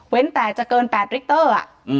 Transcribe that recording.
เว้นแต่จะเกิน๘ลิกเตอร์อะ